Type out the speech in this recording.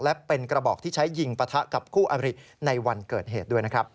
และเป็นกระบอกที่ใช้ยิงปะทะกับคู่อบริในวันเกิดเหตุด้วยนะครับ